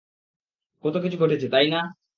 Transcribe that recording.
কত কিছু ঘটেছে, তাই না?